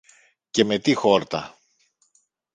Και με τι χόρτα!